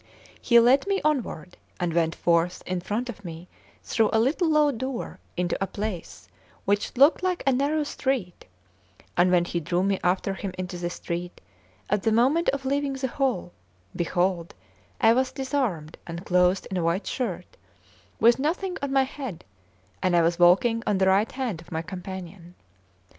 He led me onward, and went forth in front of me through a little low door into a place which looked like a narrow street; and when he drew me after him into the street, at the moment of leaving the hall, behold I was disarmed and clothed in a white shirt, with nothing on my head, and I was walking on the right hand of my companion.